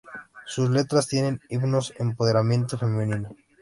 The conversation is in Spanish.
Sus letras tienen himnos-empoderamiento femenino.